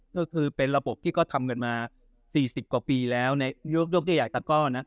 ก็คือเป็นระบบที่ก็ทำกันมา๔๐กว่าปีแล้วในยกที่อยากตะก้อนะ